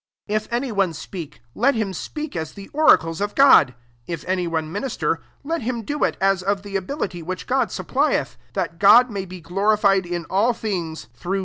11 If any one speak, lei fm 9fieak as the oracles of God ; if any one minister, let him doit as of the ability which God supplieth : that God may be glorified in all things through * i.